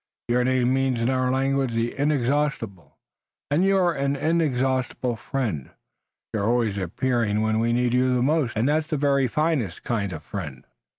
Your name means in our language, 'The Inexhaustible' and you're an inexhaustible friend. You're always appearing when we need you most, and that's the very finest kind of a friend."